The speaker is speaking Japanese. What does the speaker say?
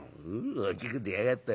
「大きく出やがって。